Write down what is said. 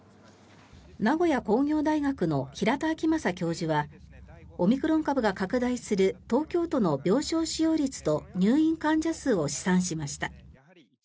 名古屋工業大学の平田晃正教授はオミクロン株が拡大する東京都の病床使用率と入院患者数を試算しました。